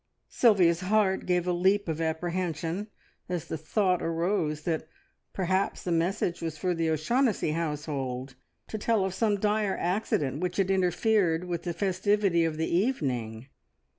Sylvia's heart gave a leap of apprehension as the thought arose that perhaps the message was for the O'Shaughnessy household to tell of some dire accident which had interfered with the festivity of the evening.